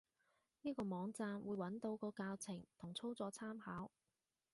呢個網站，會揾到個教程同操作參考